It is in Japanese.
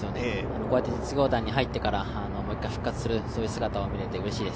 こうやって実業団に入ってからもう一回復活するそういう姿を見れてうれしいです。